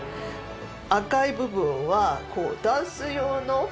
赤い部分はダンス用のスカート